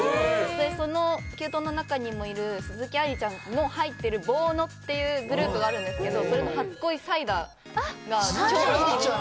その℃−ｕｔｅの中にもいる鈴木愛理ちゃんも入ってるＢｕｏｎｏ！っていうグループがあるんですけどそれの『初恋サイダー』が超好きでした。